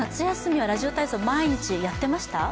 ラジオ体操毎日やってました？